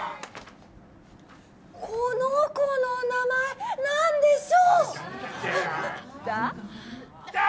この子の名前何でしょうだ？